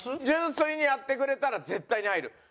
純粋にやってくれたら絶対に入る。